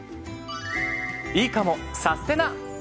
いいかもサステナ